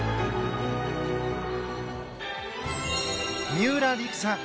三浦璃来さん